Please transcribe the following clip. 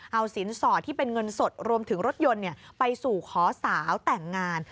เอาสินสอดที่เป็นเงินสดรวมถึงรถยนต์ไปสู่ขอสาวแต่งงาน